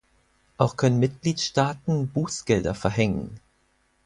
Auch können Mitgliedstaaten Bußgelder verhängen.